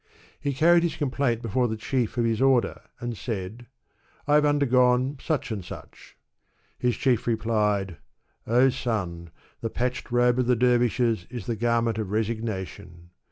He carried his complaint before the chief of his order, and said, '' I have undergone such and such,*' His chief replied, '*0 son \ the patched robe of dervishes is the garment of resignation.